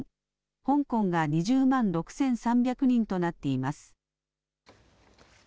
香港が２０万６３００人となっています。